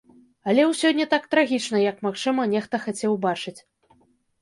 Але ўсё не так трагічна, як, магчыма, нехта хацеў бачыць.